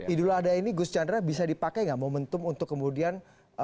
idul adha ini gus chandra bisa dipakai nggak momentum untuk kemudian